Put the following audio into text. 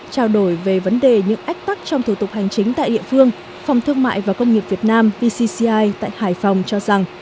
trao đổi về vấn đề những ách tắc trong thủ tục hành chính tại địa phương phòng thương mại và công nghiệp việt nam vcci tại hải phòng cho rằng